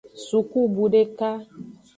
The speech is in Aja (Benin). Sukubu deka.